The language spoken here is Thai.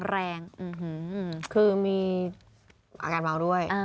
อื้อฮือคือมีอาการเมาด้วย